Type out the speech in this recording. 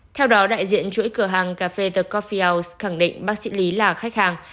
theo đó đại diện chuỗi cửa hàng cà phê the coffels khẳng định bác sĩ lý là khách hàng